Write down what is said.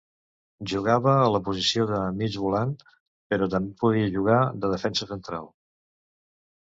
Jugava a la posició de mig volant, però també podia jugar de defensa central.